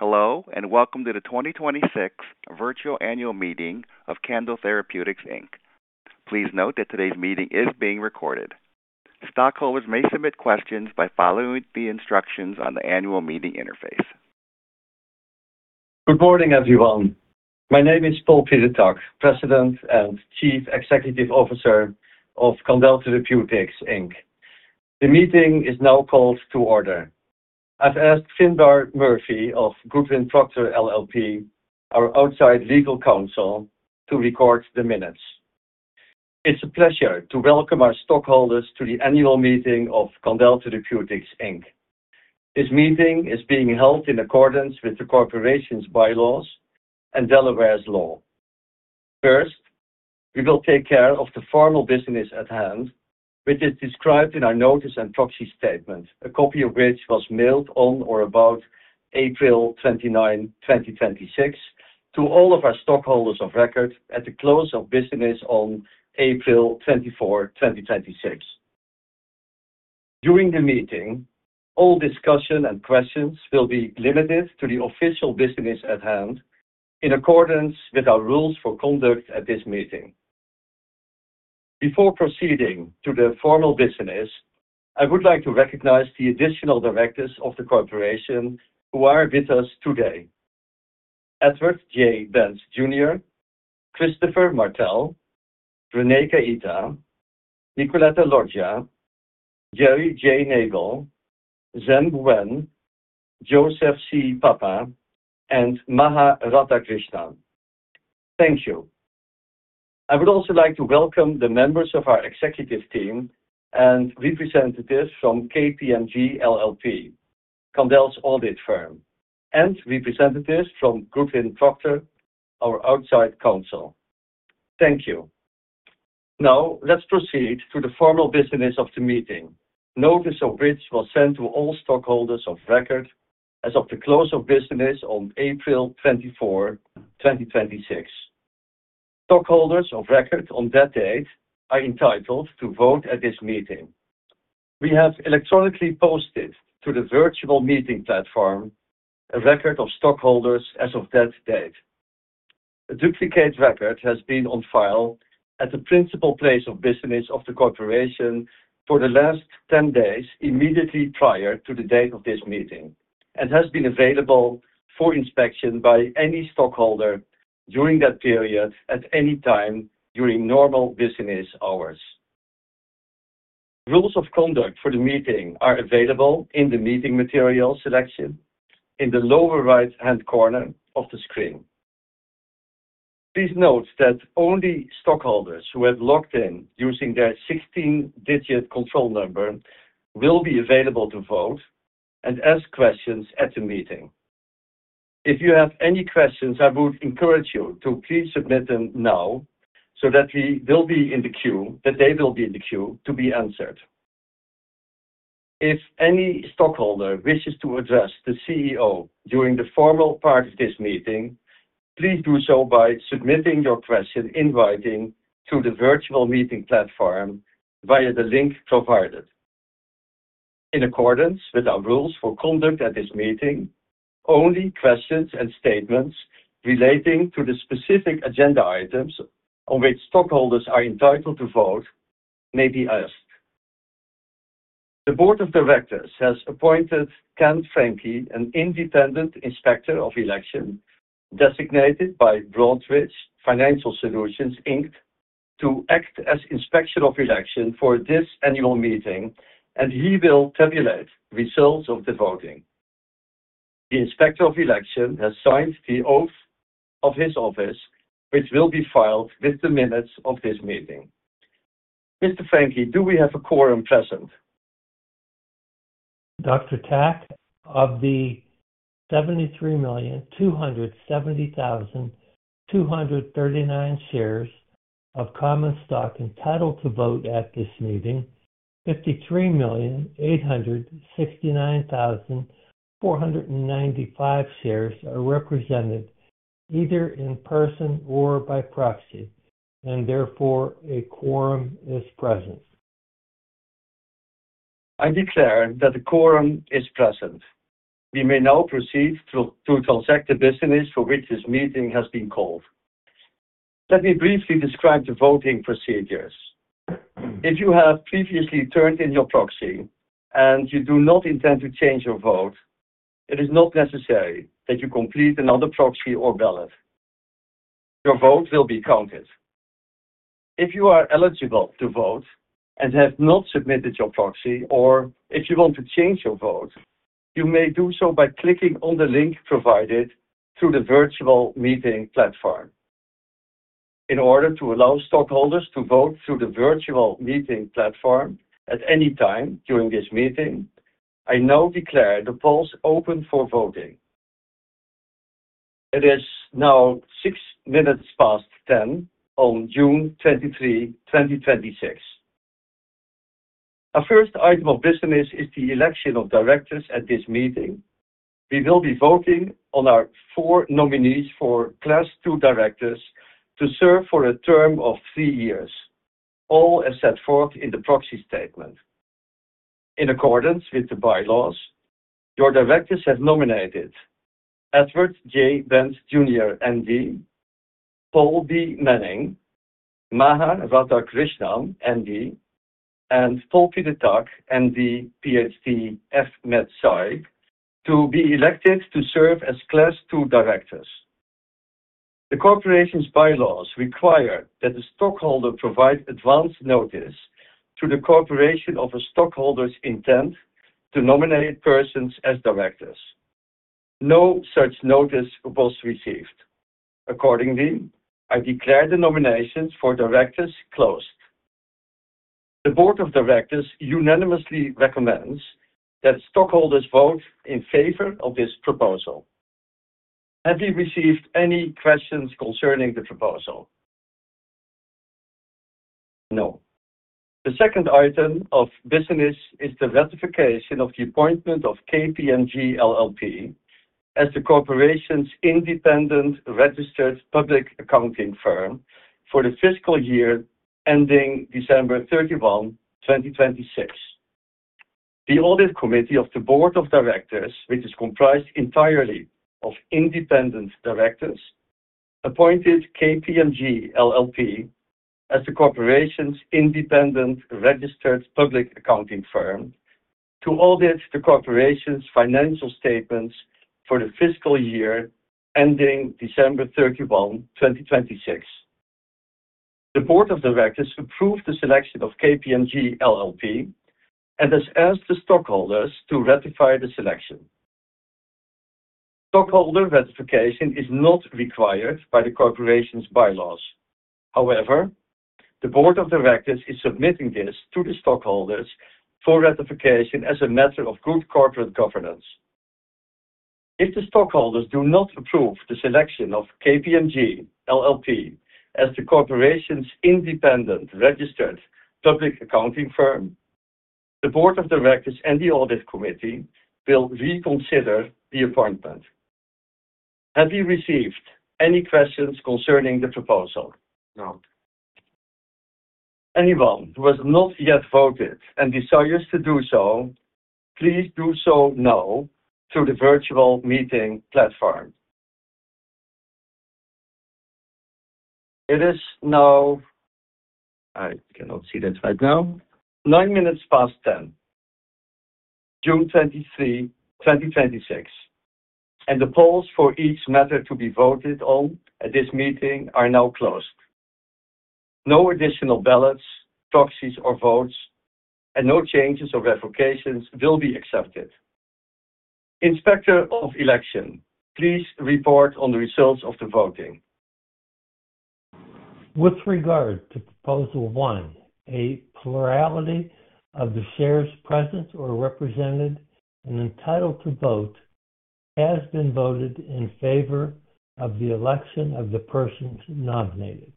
Hello, and welcome to the 2026 virtual annual meeting of Candel Therapeutics, Inc. Please note that today's meeting is being recorded. Stockholders may submit questions by following the instructions on the annual meeting interface. Good morning, everyone. My name is Paul Peter Tak, president and chief executive officer of Candel Therapeutics, Inc. The meeting is now called to order. I've asked Finnbarr Murphy of Goodwin Procter LLP, our outside legal counsel, to record the minutes. It's a pleasure to welcome our stockholders to the annual meeting of Candel Therapeutics, Inc. This meeting is being held in accordance with the corporation's bylaws and Delaware's law. First, we will take care of the formal business at hand, which is described in our notice and proxy statement, a copy of which was mailed on or about April 29, 2026, to all of our stockholders of record at the close of business on April 24, 2026. During the meeting, all discussion and questions will be limited to the official business at hand in accordance with our rules for conduct at this meeting. Before proceeding to the formal business, I would like to recognize the additional directors of the corporation who are with us today, Edward J. Benz Jr., Christopher Martell, René Kuijten, Nicoletta Loggia, Gary J. Nagel, Zhen Wen, Joseph C. Papa, and Maha Radhakrishnan. Thank you. I would also like to welcome the members of our executive team and representatives from KPMG LLP, Candel's audit firm, and representatives from Goodwin Procter, our outside counsel. Thank you. Now, let's proceed to the formal business of the meeting. Notice of which was sent to all stockholders of record as of the close of business on April 24, 2026. Stockholders of record on that date are entitled to vote at this meeting. We have electronically posted to the virtual meeting platform a record of stockholders as of that date. A duplicate record has been on file at the principal place of business of the corporation for the last 10 days immediately prior to the date of this meeting and has been available for inspection by any stockholder during that period at any time during normal business hours. Rules of conduct for the meeting are available in the meeting material selection in the lower right-hand corner of the screen. Please note that only stockholders who have logged in using their 16-digit control number will be available to vote and ask questions at the meeting. If you have any questions, I would encourage you to please submit them now so that they will be in the queue to be answered. If any stockholder wishes to address the CEO during the formal part of this meeting, please do so by submitting your question in writing to the virtual meeting platform via the link provided. In accordance with our rules for conduct at this meeting, only questions and statements relating to the specific agenda items on which stockholders are entitled to vote may be asked. The board of directors has appointed Ken Franke, an independent inspector of election, designated by Broadridge Financial Solutions, Inc., to act as inspector of election for this annual meeting, and he will tabulate results of the voting. The inspector of election has signed the oath of his office, which will be filed with the minutes of this meeting. Mr. Franke, do we have a quorum present? Dr. Tak, of the 73,270,239 shares of common stock entitled to vote at this meeting, 53,869,495 shares are represented either in person or by proxy, therefore a quorum is present. I declare that a quorum is present. We may now proceed to transact the business for which this meeting has been called. Let me briefly describe the voting procedures. If you have previously turned in your proxy and you do not intend to change your vote, it is not necessary that you complete another proxy or ballot. Your vote will be counted. If you are eligible to vote and have not submitted your proxy, or if you want to change your vote, you may do so by clicking on the link provided through the virtual meeting platform. In order to allow stockholders to vote through the virtual meeting platform at any time during this meeting, I now declare the polls open for voting. It is now 10:06 A.M. on June 23, 2026. Our first item of business is the election of directors at this meeting. We will be voting on our four nominees for Class II directors to serve for a term of three years, all as set forth in the proxy statement. In accordance with the bylaws, your directors have nominated Edward J. Benz, Jr., MD, Paul B. Manning, Maha Radhakrishnan, MD, and Paul Peter Tak, MD, PhD, FMedSci, to be elected to serve as Class II Directors. The corporation's bylaws require that the stockholder provide advance notice to the corporation of a stockholder's intent to nominate persons as directors. No such notice was received. I declare the nominations for directors closed. The board of directors unanimously recommends that stockholders vote in favor of this proposal. Have you received any questions concerning the proposal? No. The second item of business is the ratification of the appointment of KPMG LLP as the corporation's independent registered public accounting firm for the fiscal year ending December 31, 2026. The audit committee of the board of directors, which is comprised entirely of independent directors, appointed KPMG LLP as the corporation's independent registered public accounting firm to audit the corporation's financial statements for the fiscal year ending December 31, 2026. The board of directors approved the selection of KPMG LLP and has asked the stockholders to ratify the selection. Stockholder ratification is not required by the corporation's bylaws. However, the board of directors is submitting this to the stockholders for ratification as a matter of good corporate governance. If the stockholders do not approve the selection of KPMG LLP as the corporation's independent registered public accounting firm, the board of directors and the audit committee will reconsider the appointment. Have you received any questions concerning the proposal? No. Anyone who has not yet voted and desires to do so, please do so now through the virtual meeting platform. It is now, I cannot see this right now, nine minutes past 10:00, June 23, 2026, and the polls for each matter to be voted on at this meeting are now closed. No additional ballots, proxies, or votes, and no changes or revocations will be accepted. Inspector of election, please report on the results of the voting. With regard to proposal one, a plurality of the shares present or represented and entitled to vote has been voted in favor of the election of the persons nominated.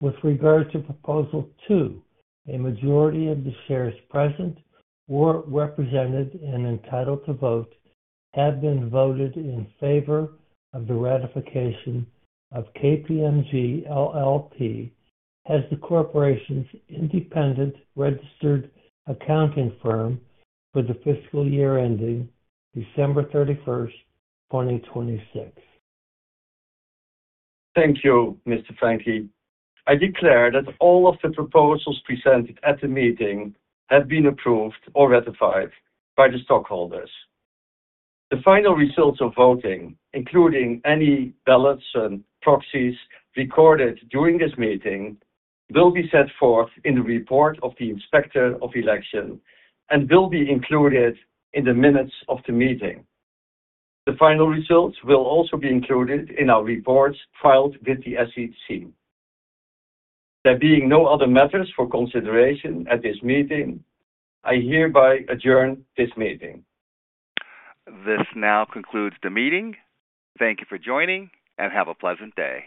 With regard to proposal two, a majority of the shares present or represented and entitled to vote have been voted in favor of the ratification of KPMG LLP as the corporation's independent registered accounting firm for the fiscal year ending December 31st, 2026. Thank you, Mr. Franke. I declare that all of the proposals presented at the meeting have been approved or ratified by the stockholders. The final results of voting, including any ballots and proxies recorded during this meeting, will be set forth in the report of the inspector of election and will be included in the minutes of the meeting. The final results will also be included in our reports filed with the SEC. There being no other matters for consideration at this meeting, I hereby adjourn this meeting. This now concludes the meeting. Thank you for joining, and have a pleasant day.